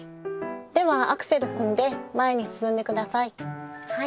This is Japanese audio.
ではアクセル踏んで前に進んで下さい。